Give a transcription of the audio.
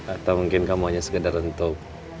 atau mungkin kamu hanya sekedar untuk